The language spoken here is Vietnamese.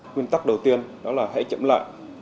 nguyên tắc đầu tiên đó là hãy chậm lại